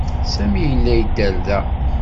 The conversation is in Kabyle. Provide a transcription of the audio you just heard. Sami yella yedder da.